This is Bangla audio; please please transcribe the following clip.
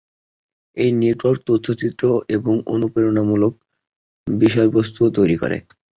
এই নেটওয়ার্ক তথ্যচিত্র এবং অনুপ্রেরণামূলক বিষয়বস্তুও তৈরি করে।